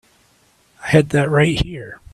I had that right here.